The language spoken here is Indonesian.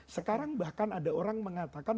sekarang bahkan ada orang mengatakan